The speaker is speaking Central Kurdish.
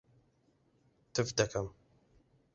تف دەکەم.